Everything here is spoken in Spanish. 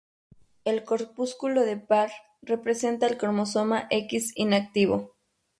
El corpúsculo de Barr representa el cromosoma X inactivo.